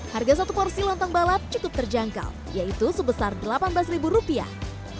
harga satu porsi lontong balap cukup terjangkau yaitu sebesar delapan belas ribu rupiah